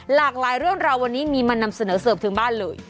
หลากหลายเรื่องราววันนี้มีมานำเสนอเสิร์ฟถึงบ้านเลย